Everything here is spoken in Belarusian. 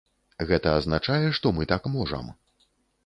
Гэта азначае, што мы так можам.